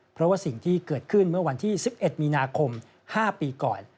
เพราะว่าสิ่งที่เกิดขึ้นเมื่อวันที่๑๑มีนาคม๕ปีก่อน